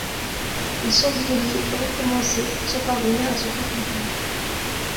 Il s'embrouillait, recommençait, sans parvenir à se faire comprendre.